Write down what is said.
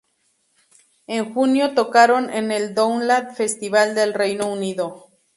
En junio, tocaron en el Download Festival del Reino Unido.